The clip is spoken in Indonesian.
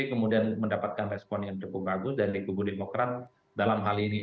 kemudian mendapatkan respon yang cukup bagus dari kubu demokrat dalam hal ini